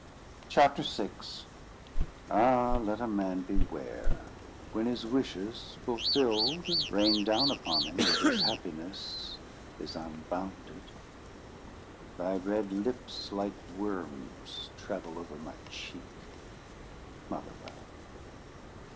CHAPTER VI "Ah, let a man beware, when his wishes, fulfilled, rain down upon him, and his happiness is unbounded." —FOUQUÉ, Der Zauberring. "Thy red lips, like worms, Travel over my cheek." —MOTHERWELL.